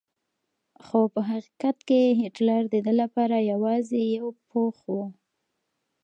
خو په حقیقت کې هېټلر د ده لپاره یوازې یو پوښ و.